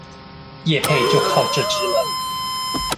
業配就靠這隻了